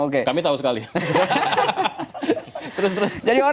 kami tahu sekali